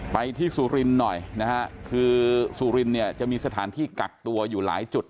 ไปที่สุรินทร์หน่อยนะฮะคือสุรินเนี่ยจะมีสถานที่กักตัวอยู่หลายจุด